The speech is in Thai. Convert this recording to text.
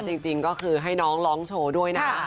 จริงก็คือให้น้องร้องโชว์ด้วยนะ